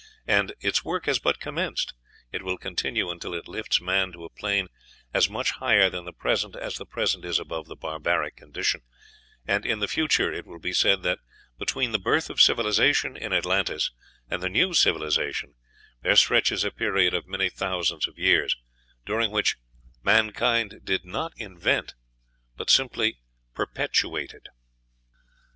And its work has but commenced: it will continue until it lifts man to a plane as much higher than the present as the present is above the barbaric condition; and in the future it will be said that between the birth of civilization in Atlantis and the new civilization there stretches a period of many thousands of years, during which mankind did not invent, but simply perpetuated.